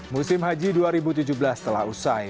musim haji dua ribu tujuh belas telah usai